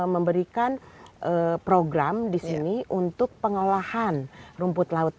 memberikan program di sini untuk pengolahan rumput laut